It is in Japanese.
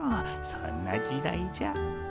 そんな時代じゃ。